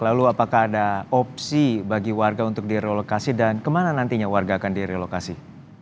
lalu apakah ada opsi bagi warga untuk direlokasi dan kemana nantinya warga akan direlokasi